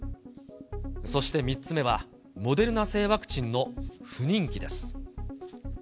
そして３つ目は、モデルナ製ワクチンの不人気です。